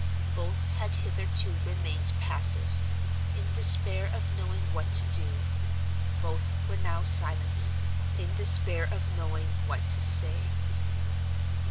Both had hitherto remained passive, in despair of knowing what to do. Both were now silent, in despair of knowing what to say.